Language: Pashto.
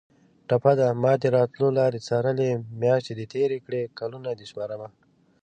ټپه ده: مادې راتلو لارې څارلې میاشتې دې تېرې کړې کلونه دې شمارمه